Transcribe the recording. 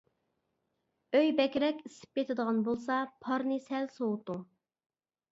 ئۆي بەكرەك ئىسسىپ كېتىدىغان بولسا پارنى سەل سوۋۇتۇڭ.